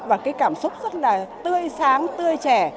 và cái cảm xúc rất là tươi sáng tươi trẻ